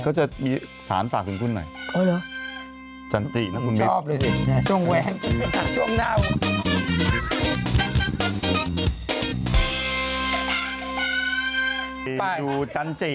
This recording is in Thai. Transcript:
ก็จะมีศาลฝากกับคุณหน่อย